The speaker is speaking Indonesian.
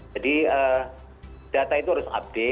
jadi data itu harus update